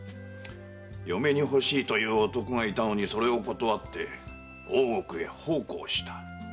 嫁に欲しいという男がいたのにそれを断って大奥へ奉公した。